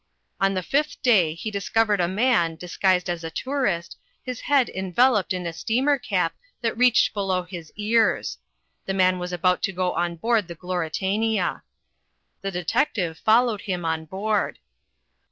On the fifth day he discovered a man, disguised as a tourist, his head enveloped in a steamer cap that reached below his ears. The man was about to go on board the Gloritania. The detective followed him on board.